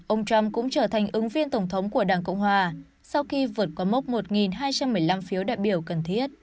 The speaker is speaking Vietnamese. ông trump cũng trở thành ứng viên tổng thống của đảng cộng hòa sau khi vượt qua mốc một hai trăm một mươi năm phiếu đại biểu cần thiết